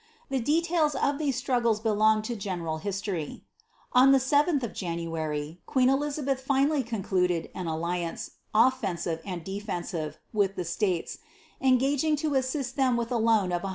* The details of these strug gles belong to general history. On the 7th of January, queen Elizabeth finally concluded an alliance, oflensive and defensive, with the states, engaging to assist them with a loan of 100,000